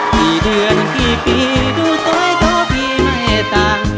ที่เดือนที่ปีดูสวยก็พิไม่ต่าง